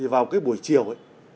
vào cái buổi chiều